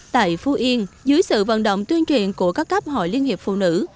tại phú yên dưới sự vận động tuyên truyền của các cấp hội liên hiệp phụ nữ